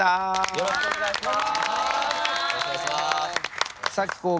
よろしくお願いします。